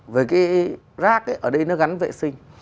về cái rác ở đây nó gắn vệ sinh